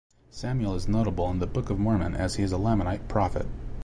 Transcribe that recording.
Samuel is notable in the Book of Mormon as he is a Lamanite prophet.